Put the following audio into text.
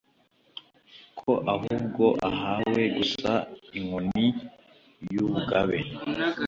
ko ahubwo ahawe gusa inkoni y’ubugabe